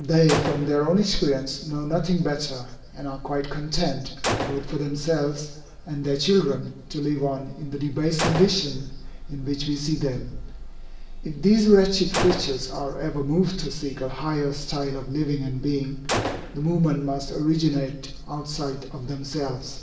They, from their own experience, know nothing better, and are quite content, both for themselves and their children, to live on in the debased condition in which we see them. If these wretched creatures are ever moved to seek a higher style of living and being, the movement must originate outside of themselves.